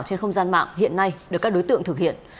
trên không gian mạng hiện nay được các đối tượng thực hiện